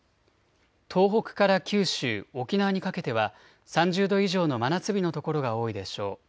東北から九州、沖縄にかけては３０度以上の真夏日の所が多いでしょう。